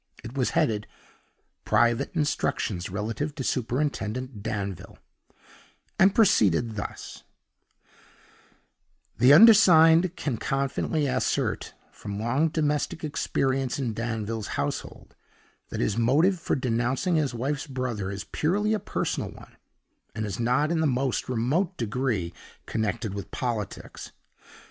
It was headed: "Private Instructions relative to Superintendent Danville," and proceeded thus: "The undersigned can confidently assert, from long domestic experience in Danville's household that his motive for denouncing his wife's brother is purely a personal one, and is not in the most remote degree connected with politics.